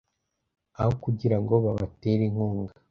aho kugira ngo babatere inkunga